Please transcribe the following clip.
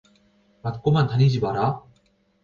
맞고만 다니지 마라